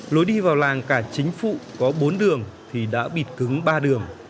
lối đi vào làng cả chính phụ có bốn đường thì đã bịt cứng ba đường